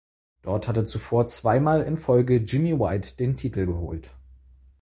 Dort hatte zuvor zweimal in Folge Jimmy White den Titel geholt.